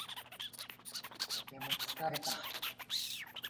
とても疲れた